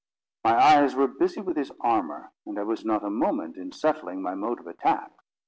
My eyes were busy with his armour, and I was not a moment in settling my mode of attack.